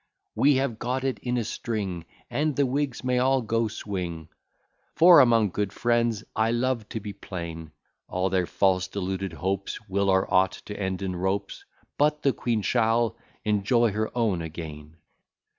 We have got it in a string, And the Whigs may all go swing, For among good friends I love to be plain; All their false deluded hopes Will, or ought to end in ropes; "But the Queen shall enjoy her own again."